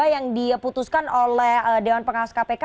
yang diputuskan oleh dewan pengawas kpk